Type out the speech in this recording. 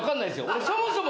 俺そもそも。